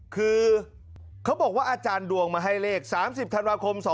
คือเขาบอกว่าอาจารย์ดวงมาให้เลข๓๐ธันวาคม๒๕๖